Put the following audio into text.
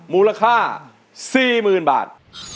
มูลค่า๔๐๐๐บาท